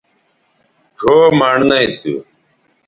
ڙھؤ مڑنئ تھو